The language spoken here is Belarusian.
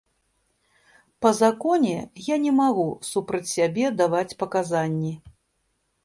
Па законе я не магу супраць сябе даваць паказанні.